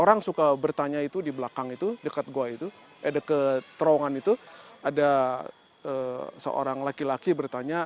orang suka bertanya itu di belakang itu dekat gua itu dekat terowongan itu ada seorang laki laki bertanya